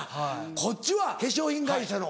こっちは化粧品会社の。